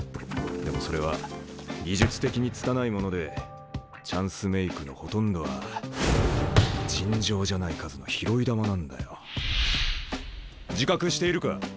でもそれは技術的に拙いものでチャンスメークのほとんどは尋常じゃない数の拾い球なんだよ。自覚しているか？